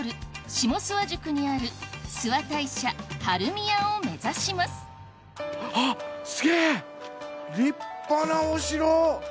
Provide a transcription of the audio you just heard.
下諏訪宿にある諏訪大社春宮を目指しますあっすげぇ！